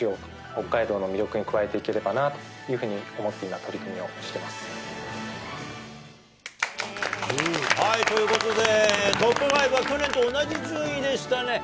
北海道の魅力に加えていければなというふうに思って今、取り組みということで、トップ５は去年と同じ順位でしたね。